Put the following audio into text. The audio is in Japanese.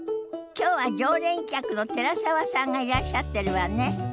きょうは常連客の寺澤さんがいらっしゃってるわね。